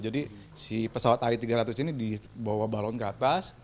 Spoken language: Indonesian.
jadi pesawat ai tiga ratus ini dibawa balon ke atas